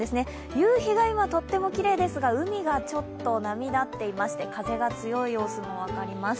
夕日が今、とってもきれいですが海がちょっと波立ってまして風が強い様子も分かります。